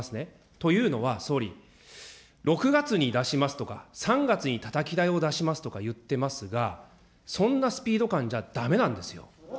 というのは、総理、６月に出しますとか、３月にたたき台を出しますとか言ってますが、そんなスピード感じゃだめなんですよ。